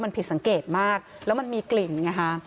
มันผิดสังเกตมากแล้วมันมีกลิ่นไงฮะ